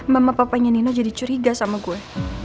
mama papanya nino jadi curiga sama gue